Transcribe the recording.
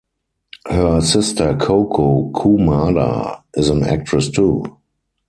Her sister Koko Kumada is an actress too.